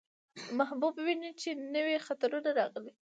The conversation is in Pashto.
محبوب وينو، چې نوي يې خطونه راغلي.